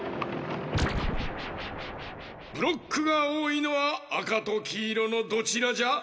ブロックがおおいのはあかときいろのどちらじゃ？